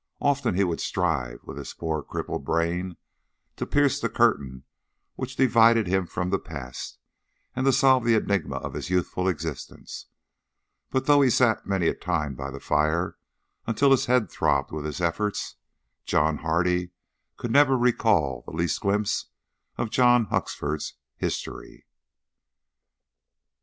Often he would strive with his poor crippled brain to pierce the curtain which divided him from the past, and to solve the enigma of his youthful existence, but though he sat many a time by the fire until his head throbbed with his efforts, John Hardy could never recall the least glimpse of John Huxford's history.